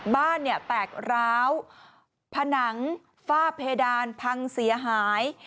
บ้านเนี่ยแตกร้าวผนังฝ้าเพดานพังเสียหาย